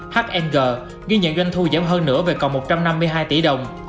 hmg ghi nhận doanh thu giảm hơn nửa về còn một trăm năm mươi hai tỷ đồng